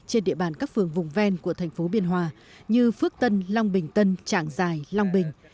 trên địa bàn các phường vùng ven của thành phố biên hòa như phước tân long bình tân trạng giải long bình